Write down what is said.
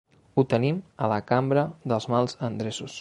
Ho tenim a la cambra dels mals endreços.